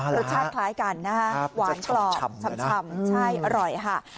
รสชาติคล้ายกันนะฮะหวานกรอบชำใช่อร่อยค่ะ